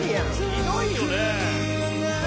ひどいよね。